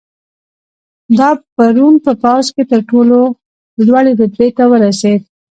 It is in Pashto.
دا په روم په پوځ کې تر ټولو لوړې رتبې ته ورسېد